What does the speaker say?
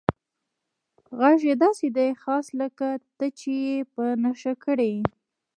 غږ یې داسې دی، خاص لکه ته چې یې په نښه کړی یې.